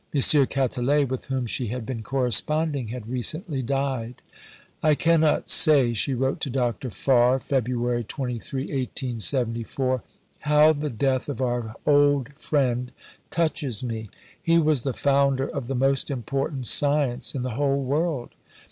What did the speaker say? Quetelet, with whom she had been corresponding, had recently died. "I cannot say," she wrote to Dr. Farr (Feb. 23, 1874), "how the death of our old friend touches me: he was the founder of the most important science in the whole world.